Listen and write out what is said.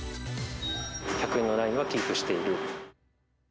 １００円のラインはキープしている。